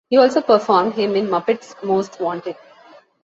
He also performed him in "Muppets Most Wanted".